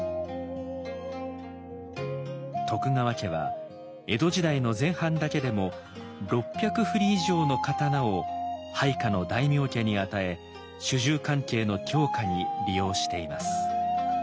徳川家は江戸時代の前半だけでも６００振り以上の刀を配下の大名家に与え主従関係の強化に利用しています。